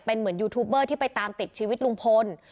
เป็นเหมือนยูทูบเบอร์ที่ไปตามติดชีวิตลุงพล